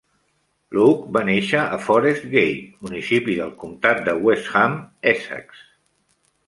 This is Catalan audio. Lough va néixer a Forest Gate, municipi del comtat de West Ham, Essex.